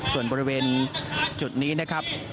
ส่วนบริเวณจุดนี้นะครับ